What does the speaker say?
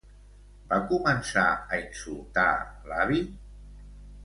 Va començar a insultar l'avi?